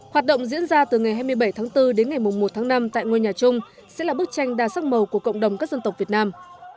hoạt động diễn ra từ ngày hai mươi bảy tháng bốn đến ngày một tháng năm tại ngôi nhà chung sẽ là bức tranh đa sắc màu của cộng đồng các dân tộc việt nam